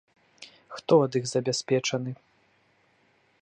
Хто ад іх забяспечаны?